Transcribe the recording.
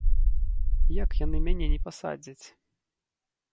Як яны мяне не пасадзяць?!